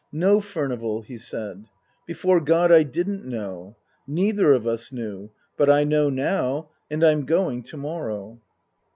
" No, Furnival," he said. " Before God I didn't know. Neither of us knew. But I know now. And I'm going to morrow."